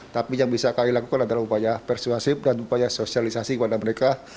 tapi yang bisa kami lakukan adalah upaya persuasif dan upaya sosialisasi kepada mereka